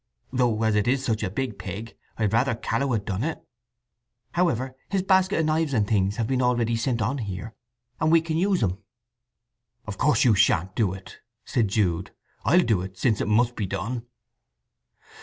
Though as it is such a big pig I had rather Challow had done it. However, his basket o' knives and things have been already sent on here, and we can use 'em." "Of course you shan't do it," said Jude. "I'll do it, since it must be done."